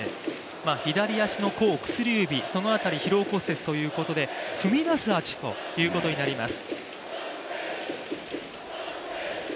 左足の甲、薬指、そのあたり疲労骨折ということで踏み出す足ということになります。